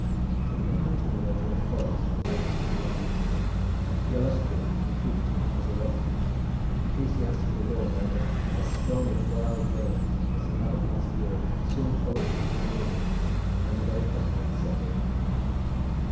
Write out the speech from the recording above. Having a hunting lodge in a forest on the banks of the lovely Taf, he allotted it to the fugitives as a residence. Ecclesiastical law, however, as strong in Wild Wales as in other parts of Europe, soon followed them into Glamorgan, and, very properly, separated them.